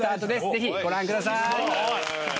ぜひご覧ください